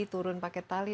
turun pake tali